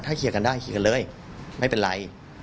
เคลียร์กันได้เคลียร์กันเลยไม่เป็นไร